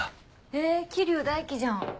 へぇ桐生大輝じゃん。